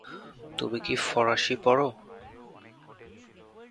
তুমি কি ফরাসি পড়ো?